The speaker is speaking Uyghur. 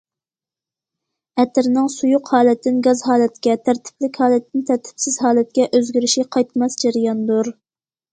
ئەتىرنىڭ سۇيۇق ھالەتتىن گاز ھالەتكە، تەرتىپلىك ھالەتتىن تەرتىپسىز ھالەتكە ئۆزگىرىشى قايتماس جەرياندۇر.